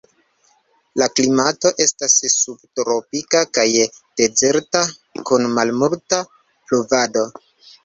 La klimato estas subtropika kaj dezerta, kun malmulta pluvado.